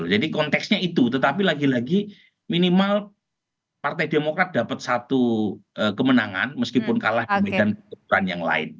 jadi konteksnya itu tetapi lagi lagi minimal partai demokrat dapat satu kemenangan meskipun kalah di medan keputusan yang lain